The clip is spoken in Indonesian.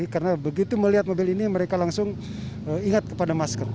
karena begitu melihat mobil ini mereka langsung ingat kepada masker